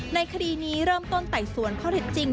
ในคดีนี้เริ่มต้นไต่สวนข้อเท็จจริง